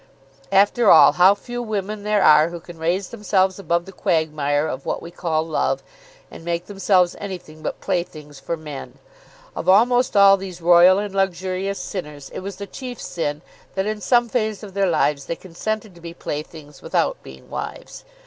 After all how few women there are who can raise themselves above the quagmire of what we call love, and make themselves anything but playthings for men. Of almost all these royal and luxurious sinners it was the chief sin that in some phase of their lives they consented to be playthings without being wives.